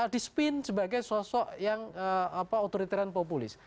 dispin sebagai sosok yang otoriteran populis